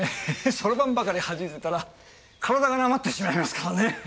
そろばんばかりはじいてたら体がなまってしまいますからね。